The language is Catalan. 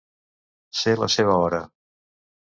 Ser la seva hora.